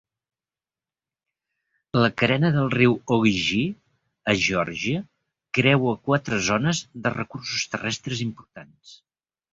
La carena del riu Ogeechee a Georgia creua quatre zones de recursos terrestres importants.